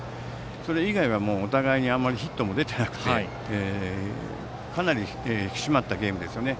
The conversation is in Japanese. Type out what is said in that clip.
それ以外、お互いあまりヒットも出なくてかなり引き締まったゲームですよね。